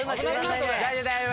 大丈夫大丈夫。